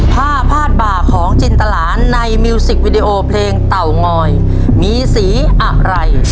ผ้าพาดบ่าของจินตลานในมิวสิกวิดีโอเพลงเต่างอยมีสีอะไร